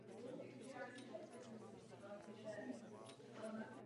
Byly vyráběny i typy pro průzkum na kolejích.